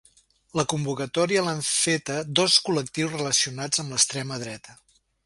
La convocatòria l’han feta dos col·lectius relacionats amb l’extrema dreta.